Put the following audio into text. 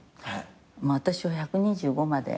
私は１２５まで。